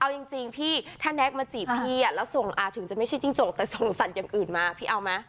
เอาจริงพี่ถ้าแน็กมาจีบพี่แล้วส่งถึงจะไม่ใช่จิ้งจกแต่ส่งสัตว์อย่างอื่นมาพี่เอาไหม